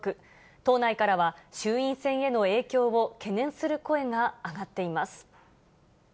党内からは衆院選への影響を懸念する声が上がっています。